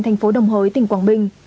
thành phố đồng hới tỉnh quảng bình